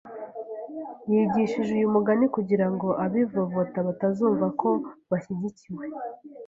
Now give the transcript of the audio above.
Yigishije uyu mugani kugira ngo abivovota batazumva ko bashyigikiwe